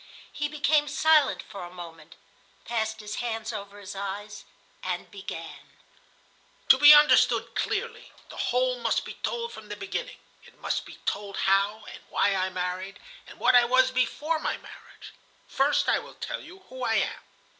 He became silent for a moment, passed his hands over his eyes, and began:— "To be understood clearly, the whole must be told from the beginning. It must be told how and why I married, and what I was before my marriage. First, I will tell you who I am.